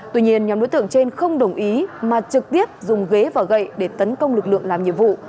tuy nhiên nhóm đối tượng trên không đồng ý mà trực tiếp dùng ghế và gậy để tấn công lực lượng làm nhiệm vụ